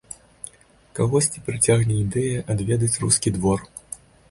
Кагосьці прыцягне ідэя адведаць рускі двор.